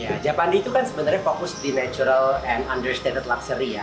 ya japandi itu kan sebenarnya fokus di natural and understate luxury ya